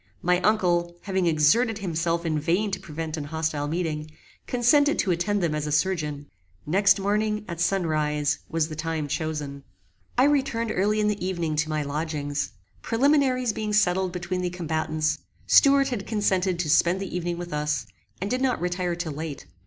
My uncle, having exerted himself in vain to prevent an hostile meeting, consented to attend them as a surgeon. Next morning, at sun rise, was the time chosen. I returned early in the evening to my lodgings. Preliminaries being settled between the combatants, Stuart had consented to spend the evening with us, and did not retire till late.